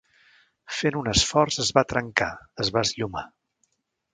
Fent un esforç es va trencar, es va esllomar.